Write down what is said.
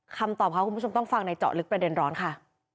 คำตอบเขาคุณผู้ชมต้องฟังในเจาะลึกประเด็นร้อนค่ะ